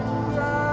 jangan lupa ibu nda